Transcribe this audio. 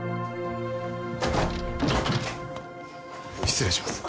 失礼します。